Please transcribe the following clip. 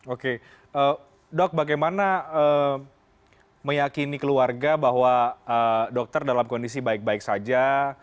oke dok bagaimana meyakini keluarga bahwa dokter dalam kondisi baik baik saja